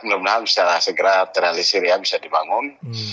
mudah mudahan bisa segera terrealisir ya bisa dibangun